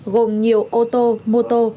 gồm nhiều ô tô mô tô